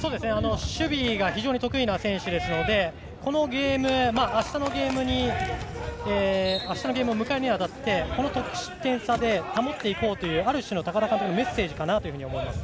守備が非常に得意な選手なのであしたのゲームを迎えるにあたってこの得失点差で保っていこうというある種の高田監督のメッセージかなと思います。